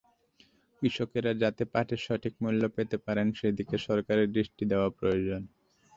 কৃষকেরা যাতে পাটের সঠিক মূল্য পেতে পারেন, সেদিকে সরকারের দৃষ্টি দেওয়া প্রয়োজন।